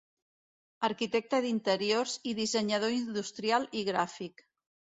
Arquitecte d'interiors i dissenyador industrial i gràfic.